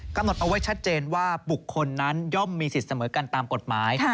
กำหนดเอาไว้ชัดเจนว่าบุคคลนั้นย่อมมีสิทธิ์เสมอกันตามกฎหมาย